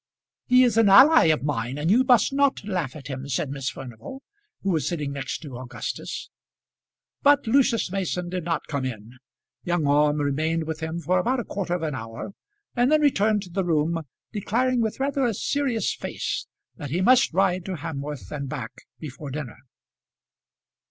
"He is an ally of mine; and you must not laugh at him," said Miss Furnival, who was sitting next to Augustus. But Lucius Mason did not come in. Young Orme remained with him for about a quarter of an hour, and then returned to the room, declaring with rather a serious face, that he must ride to Hamworth and back before dinner.